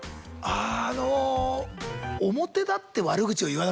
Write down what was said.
あの。